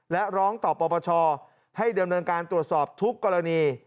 และร้องต่อปปชให้ดำเนินการตรวจสอบทุกกรณี